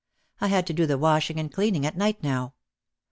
I had to do the washing and cleaning at night now.